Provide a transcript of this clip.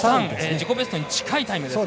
自己ベストに近いタイムです。